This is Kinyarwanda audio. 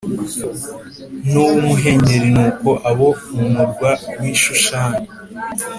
n uw umuhengeri nuko abo mu murwa w i Shushani